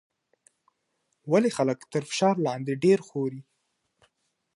ولې خلک تر فشار لاندې ډېر خوري؟